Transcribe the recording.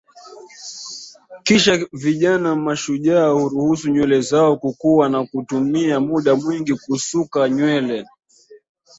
Kisha vijana mashujaa huruhusu nywele zao kukua na hutumia muda mwingi kusuka nywele